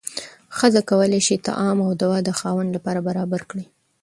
ښځه کولی شي طعام او دوا د خاوند لپاره برابره کړي.